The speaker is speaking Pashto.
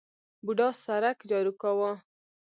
بوډا سرک جارو کاوه.